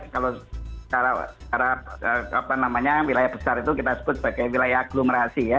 kalau secara wilayah besar itu kita sebut sebagai wilayah aglomerasi ya